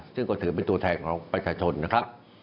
ซึ่งก็ถือเป็นตัวแทนของประชาชนนะครับ